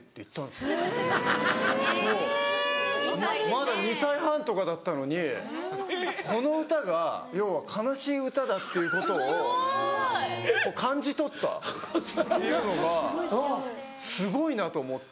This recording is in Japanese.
まだ２歳半とかだったのにこの歌が要は悲しい歌だということを感じ取ったっていうのがすごいなと思って。